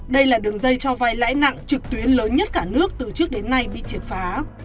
đây là đường dây cho vay lãi nặng trực tuyến lớn nhất cả nước từ trước đến nay bị triệt phá